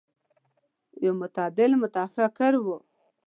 يو متعادل متفکر و.